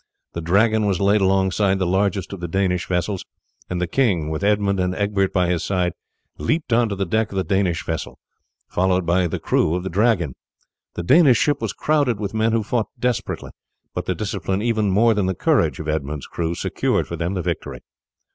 The Dragon was laid alongside the largest of the Danish vessels; and the king, with Edmund and Egbert by his side, leapt on to the deck of the Danish vessel, followed by the crew of the Dragon. The Danish ship was crowded with men who fought desperately, but the discipline even more than the courage of Edmund's crew secured for them the victory.